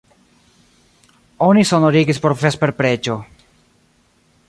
Oni sonorigis por vesperpreĝo.